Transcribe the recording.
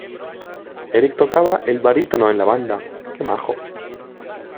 Eric tocaba el barítono en la banda.